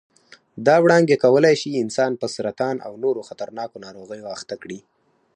دا وړانګې کولای شي انسان په سرطان او نورو خطرناکو ناروغیو اخته کړي.